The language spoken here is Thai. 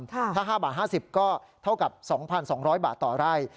ถ้า๕บาท๕๐ก็เท่ากับ๒๒๐๐บาทต่อไร่